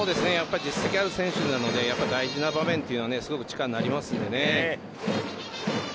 実績ある選手なので大事な場面というのはすごく力になりますよね。